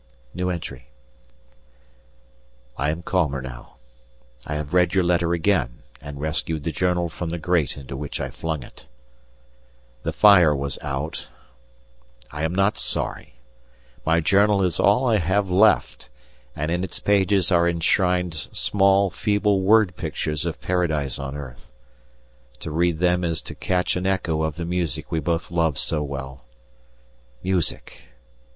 I am calmer now; I have read your letter again and rescued the journal from the grate into which I flung it. The fire was out; I am not sorry; my journal is all I have left, and in its pages are enshrined small, feeble word pictures of paradise on earth. To read them is to catch an echo of the music we both loved so well. Music!